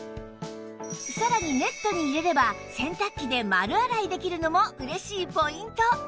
さらにネットに入れれば洗濯機で丸洗いできるのも嬉しいポイント